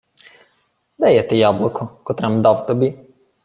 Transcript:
— Де є те яблуко, котре-м дав тобі?